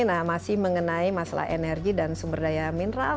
nah masih mengenai masalah energi dan sumber daya mineral